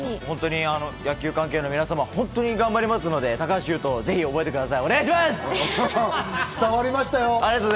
野球関係の皆様、本当に頑張りますので、高橋優斗をぜひ覚えてください。